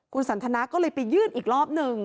คุณสันทนาก็เลยไปยื่นอีกรอบหนึ่ง